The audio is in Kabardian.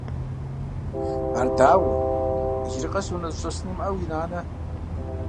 Ар дауэ, иджыри къэс унэ зыщӏэсын имыӏэуи, нанэ?